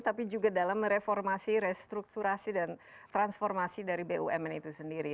tapi juga dalam reformasi restrukturasi dan transformasi dari bumn itu sendiri